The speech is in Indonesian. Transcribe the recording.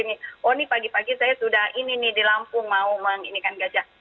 oh ini pagi pagi saya sudah ini nih di lampung mau menginikan gajah